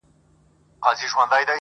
د یارانو مو یو یو دادی کمېږي,